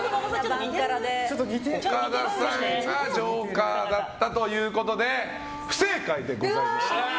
岡田さんがジョーカーだったということで不正解でございました。